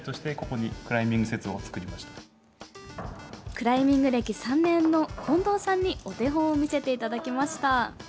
クライミング歴３年の近藤さんにお手本を見せていただきました。